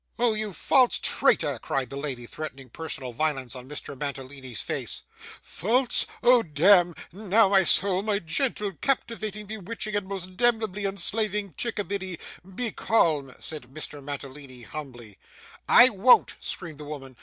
'Oh you false traitor!' cried the lady, threatening personal violence on Mr. Mantalini's face. 'False! Oh dem! Now my soul, my gentle, captivating, bewitching, and most demnebly enslaving chick a biddy, be calm,' said Mr. Mantalini, humbly. 'I won't!' screamed the woman.